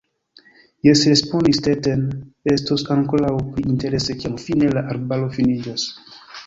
Jes, respondis Stetten, estos ankoraŭ pli interese, kiam fine la arbaro finiĝos.